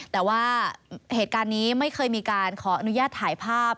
แต่ว่าเหตุการณ์นี้ไม่เคยมีการขออนุญาตถ่ายภาพ